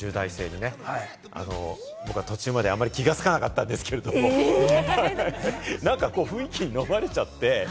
僕は途中まで気がつかなかったんですけれども、何か雰囲気にのまれちゃって、